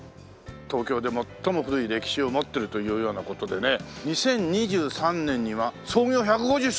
東京で最も古い歴史を持ってるというような事でね２０２３年には創業１５０周年！